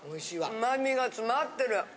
うまみが詰まってる！